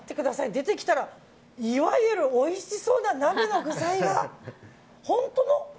出てきたら、いわゆるおいしそうな鍋の具材が。